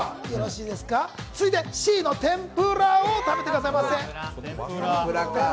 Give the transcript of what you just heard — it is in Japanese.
続いて、Ｃの天ぷらを食べてくださいませ。